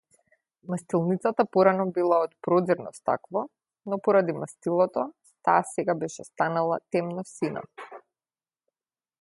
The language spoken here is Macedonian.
Мастилницата порано била од проѕирно стакло, но поради мастилото таа сега беше станала темносина.